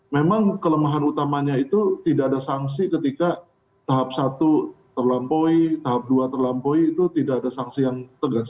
memang kelemahan utamanya itu tidak ada sanksi ketika tahap satu terlampaui tahap dua terlampaui itu tidak ada sanksi yang tegas